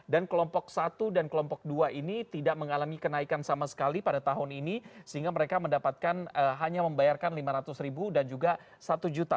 dan kelompok satu dan kelompok dua ini tidak mengalami kenaikan sama sekali pada tahun ini sehingga mereka mendapatkan hanya membayarkan lima ratus dan juga satu juta